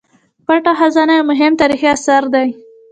پټه خزانه یو مهم تاریخي اثر دی.